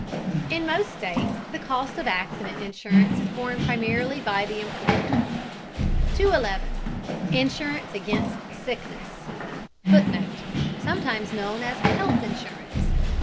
In most states the cost of accident insurance is borne primarily by the employer. 211. INSURANCE AGAINST SICKNESS. [Footnote: Sometimes known as health insurance.